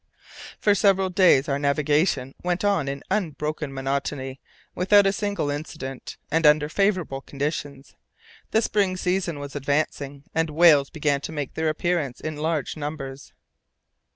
For several days our navigation went on in unbroken monotony, without a single incident, and under favourable conditions. The spring season was advancing, and whales began to make their appearance in large numbers.